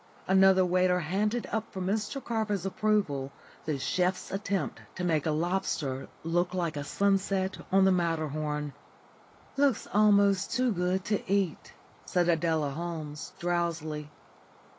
Another waiter handed up for Mr Carver's approval the chef's attempt to make a lobster look like a sunset on the Matterhorn. "Looks almost too good to eat," said Adela Holmes, drowsily.